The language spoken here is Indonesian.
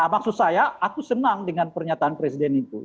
maksud saya aku senang dengan pernyataan presiden itu